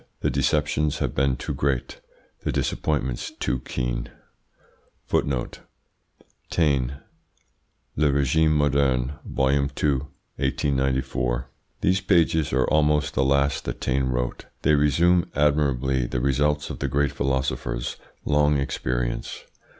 The deceptions have been too great, the disappointments too keen." Taine, "Le Regime moderne," vol. ii., 1894. These pages are almost the last that Taine wrote. They resume admirably the results of the great philosopher's long experience.